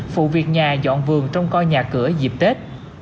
phụ việc nhà dọn vườn trong coi nhà cửa dịp tết